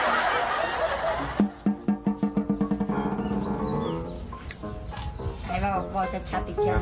ขออันที่เบาดีหรือเปล่าเบามาก